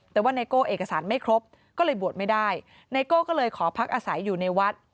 แต่ว่าไนโก้เอกสารไม่ครบก็เลยบวชไม่ได้ไนโก้ก็เลยขอพักอาศัยอยู่ในวัด